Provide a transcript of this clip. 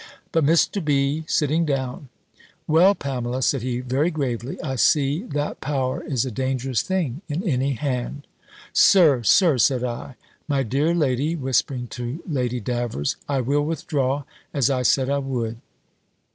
But Mr. B. sitting down, "Well, Pamela," said he, very gravely, "I see that power is a dangerous thing in any hand." "Sir, Sir!" said I "My dear lady," whispering to Lady Davers, "I will withdraw, as I said I would."